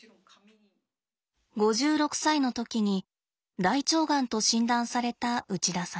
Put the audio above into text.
５６歳の時に大腸がんと診断された内田さん。